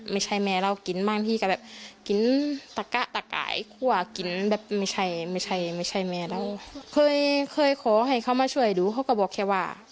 ไม่ใช่แม่เราเคยขอให้เขามาช่วยดูเขาก็บอกแค่ว่า